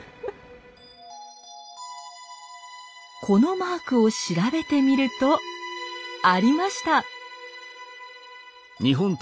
このマークを調べてみるとありました。